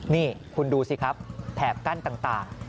นี่คุณดูสิครับแถบกั้นต่าง